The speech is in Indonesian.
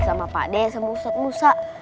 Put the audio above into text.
sama pak de sama ustadz musa